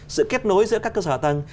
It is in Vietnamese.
sự kết nối giữa các cơ sở hạ tầng